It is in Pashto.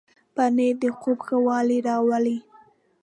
پنېر د خوب ښه والی راولي.